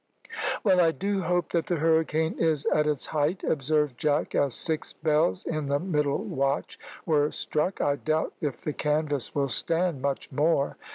"Well, I do hope that the hurricane is at its height," observed Jack, as six bells in the middle watch were struck. "I doubt if the canvas will stand much more."